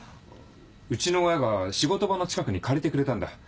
うちの親が仕事場の近くに借りてくれたんだ。